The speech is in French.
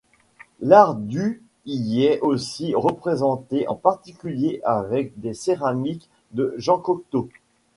L’art du y est aussi représenté, en particulier avec des céramiques de Jean Cocteau.